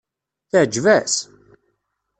Teɛǧeb-as?